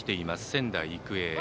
仙台育英。